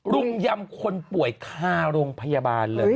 รุมยำคนป่วยคาโรงพยาบาลเลย